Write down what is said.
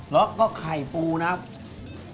แล้วก็ไข่ปูนะครับ